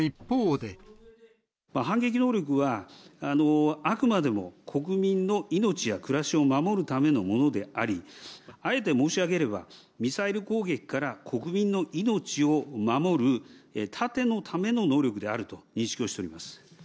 反撃能力は、あくまでも国民の命や暮らしを守るためのものであり、あえて申し上げれば、ミサイル攻撃から国民の命を守る盾のための能力であると認識をしております。